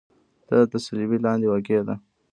دا د صلبیې لاندې واقع ده.